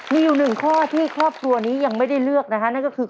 มีอยู่หนึ่งข้อที่ครอบครัวนี้ยังไม่ได้เลือกนะฮะนั่นก็คือ